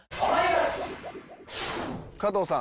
加藤さん。